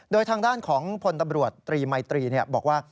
โดยทางด้านของพลตำรวจตรีมัยตรีบอกว่า